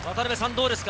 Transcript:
どうですか？